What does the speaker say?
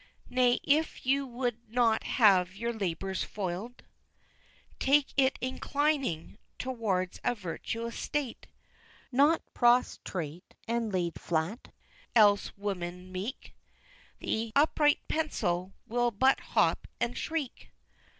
Nay, if you would not have your labors foil'd, Take it inclining tow'rds a virtuous state, Not prostrate and laid flat else, woman meek! The upright pencil will but hop and shriek!